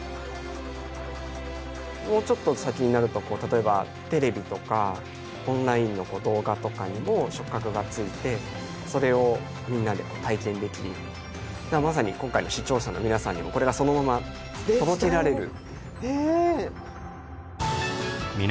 もうちょっと先になると例えばテレビとかオンラインの動画とかにも触覚がついてそれをみんなで体験できるようにまさに今回南澤さんが考える未来とは。